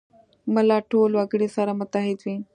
ملت ټول وګړي سره متحد وي.